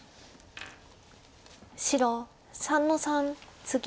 白３の三ツギ。